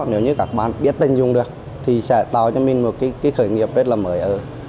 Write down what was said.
nếu như các bạn biết tình dùng được thì sẽ tạo cho mình một cái khởi nghiệp rất là mới ở